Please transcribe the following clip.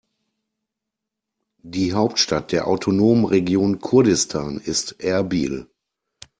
Die Hauptstadt der autonomen Region Kurdistan ist Erbil.